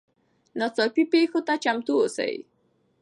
ناڅاپي پیښو ته چمتو اوسئ.